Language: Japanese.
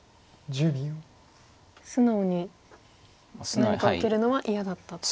素直に何か受けるのは嫌だったと。